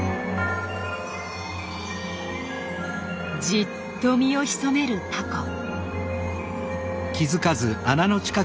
じっと身を潜めるタコ。